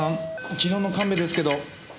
昨日の神戸ですけど。